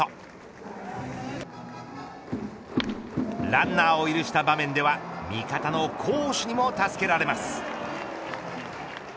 ランナーを許した場面では味方の好守にも助けられます。